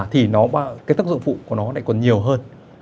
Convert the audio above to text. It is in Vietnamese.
thì cái tác dụng phụ của nó lại còn nhiều hơn